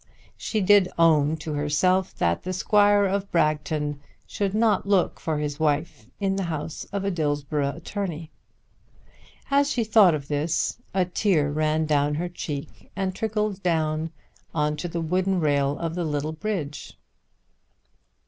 She did own to herself that the squire of Bragton should not look for his wife in the house of a Dillsborough attorney. As she thought of this a tear ran down her cheek and trickled down on to the wooden rail of the little bridge.